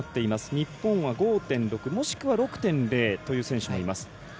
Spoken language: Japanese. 日本は５．６もしくは６．０という選手もいます。